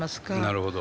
なるほど。